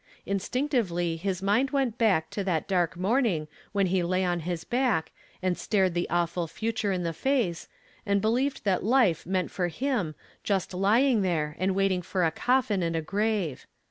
Instinctively his mind went back to that dark morning when he lay on his back, and stared the awful future in the face, and believed that life meant for him just lying there and waiting for a coffin and a grav^e.